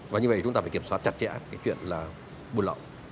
và như vậy chúng ta phải kiểm soát chặt chẽ cái chuyện là buôn lậu